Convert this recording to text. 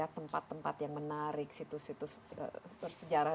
tempat tempat yang menarik situs situs bersejarah